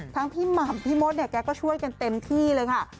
ทั้งพี่หม่ำพี่มดแกก็ช่วยกันเต็มที่เลยค่ะ